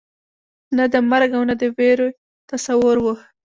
نه د مرګ او نه د وېرې تصور وو.